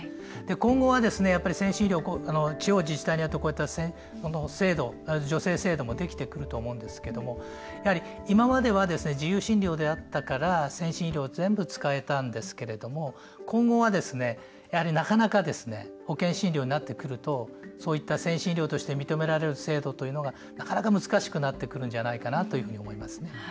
今後は先進医療、地方自治体のこういった制度助成制度もできてくるとは思うんですけども今までは自由診療であったから先進医療を全部使えたんですけど今後は、なかなか保険診療になってくるとそういった先進医療として認められる制度というのがなかなか難しくなってくるんじゃないかなというふうに思いますね。